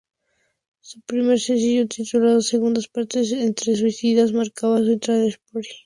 Su primer sencillo, titulado "Segundas partes entre suicidas", marcaba su entrada a Spotify.